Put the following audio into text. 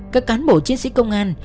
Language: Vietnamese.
các cán bộ chiến sĩ công an